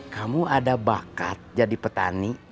kamu ada bakat jadi petani